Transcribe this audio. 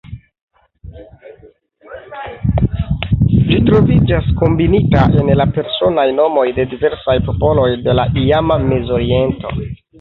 Ĝi troviĝas kombinita en la personaj nomoj de diversaj popoloj de la iama Mezoriento.